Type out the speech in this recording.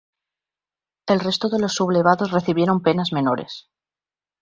El resto de los sublevados recibieron penas menores.